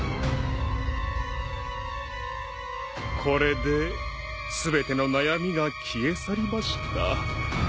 これで全ての悩みが消え去りました。